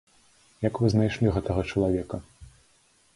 Як вы знайшлі гэтага чалавека?